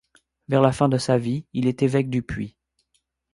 Vers la fin de sa vie, il est évêque du Puy.